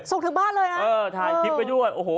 ส่งถึงบ้านเลยอ่ะเออถ่ายคลิปไว้ด้วยโอ้โห